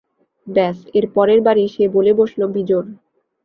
ব্যস এর পরের বারেই সে বলে বাসল, বিজোড়।